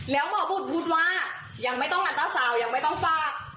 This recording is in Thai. แล้วหมอบุญพูดว่ายังไม่ต้องอันตราซาวยังไม่ต้องฝาก